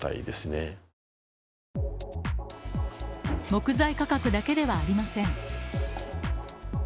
木材価格だけではありません。